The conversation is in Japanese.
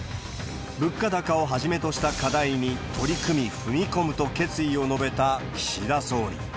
物価高をはじめとした課題に取り組み、踏み込むと決意を述べた岸田総理。